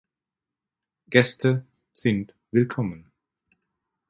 Gäste sind willkommen.